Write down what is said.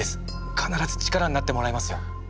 必ず力になってもらえますよ。